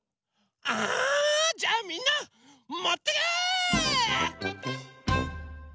あじゃあみんなもってけ！